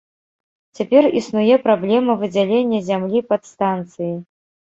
Цяпер існуе праблема выдзялення зямлі пад станцыі.